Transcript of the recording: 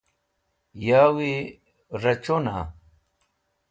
Yawi rochuna?